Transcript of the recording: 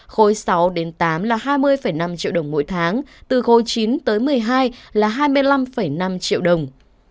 khối sáu đến tám là hai mươi năm triệu đồng mỗi tháng từ khối chín tới một mươi hai là hai mươi năm năm triệu đồng